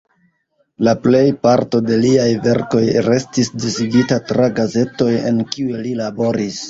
La plej parto de liaj verkoj restis disigita tra gazetoj en kiuj li laboris.